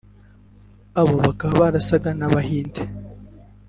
abo bakaba barasaga n’abahinde